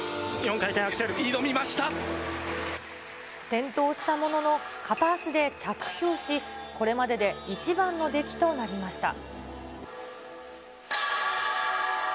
転倒したものの、片足で着氷し、これまでで一番の出来となりました。